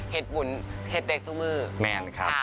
เห็ดบุญเห็ดเด็กทุกมือแมนครับ